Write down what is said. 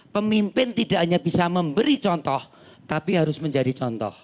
pemimpin tidak hanya bisa memberi contoh tapi harus menjadi contoh